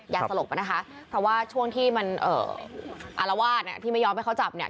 สลบนะคะเพราะว่าช่วงที่มันอารวาสที่ไม่ยอมให้เขาจับเนี่ย